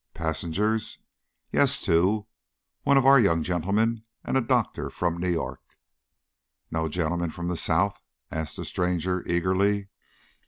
"Passengers?" "Yes, two. One of our young gentlemen, and a doctor from New York." "No gentleman from the South?" asked the stranger eagerly.